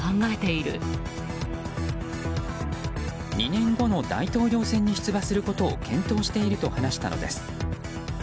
２年後の大統領選に出馬することを検討していると話したのです。